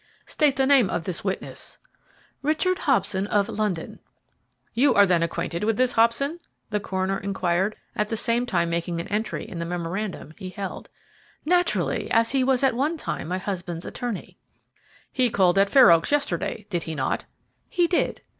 "State the name of this witness." "Richard Hobson, of London." "You are then acquainted with this Hobson?" the coroner inquired, at the same time making an entry in the memorandum he held. "Naturally, as he was at one time my husband's attorney." "He called at Fair Oaks yesterday, did he not?" "He did."